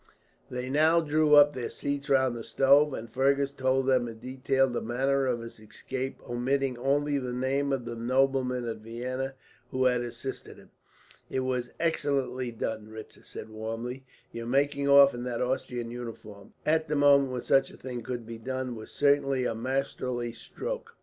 They now drew up their seats round the stove, and Fergus told them in detail the manner of his escape, omitting only the name of the noblemen at Vienna who had assisted him. "It was excellently done," Ritzer said warmly. "Your making off in that Austrian uniform, at the only moment when such a thing could be done, was certainly a masterly stroke."